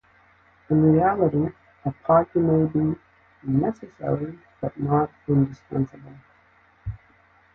In reality, a party may be "necessary" but not indispensable.